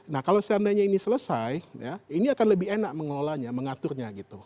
nah kalau seandainya ini selesai ya ini akan lebih enak mengelolanya mengaturnya gitu